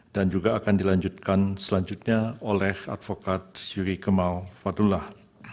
juga akan dilanjutkan selanjutnya oleh advokat syuri kemal fadullah